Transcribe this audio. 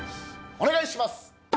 お願いします！